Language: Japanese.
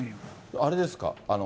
あれですか？